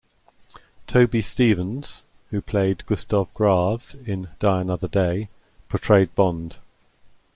Toby Stephens, who played Gustav Graves in "Die Another Day", portrayed Bond.